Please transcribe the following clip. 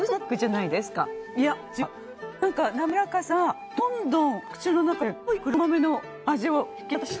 いや違うなんか滑らかさがどんどんお口の中で濃い黒豆の味を引き立たせて。